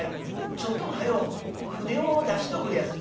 ちょっと早う舟を出しておくれやす」。